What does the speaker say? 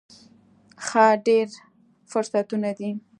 ښه، ډیر فرصتونه دي